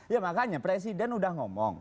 ya makanya presiden udah ngomong